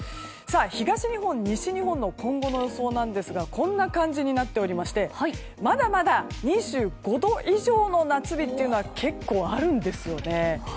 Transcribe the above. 東日本、西日本の今後の予想なんですがこんな感じになっておりましてまだまだ２５度以上の夏日は結構あるんですよね。